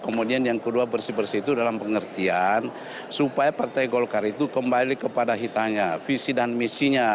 kemudian yang kedua bersih bersih itu dalam pengertian supaya partai golkar itu kembali kepada hitanya visi dan misinya